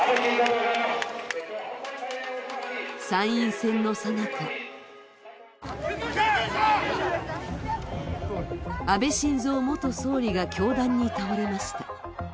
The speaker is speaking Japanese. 参院選のさなか安倍晋三元総理が凶弾に倒れました。